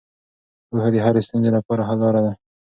پوهه د هرې ستونزې لپاره حل لاره ده.